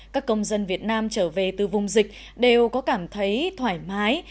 các công dân việt nam trở về từ vùng dịch đều có cảm thấy thoải mái